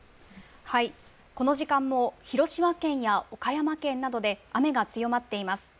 この時間も、広島県や岡山県などで雨が強まっています。